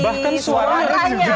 bahkan suaranya juga